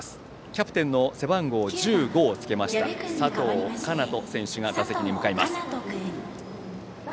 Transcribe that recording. キャプテン、背番号１５をつけた佐藤叶人選手が打席に向かいます。